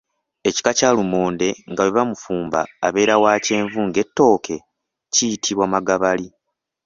Ekika kya lumonde nga bwe bamufumba abeera wa kyenvu ng’ettooke kiyitibwa magabali.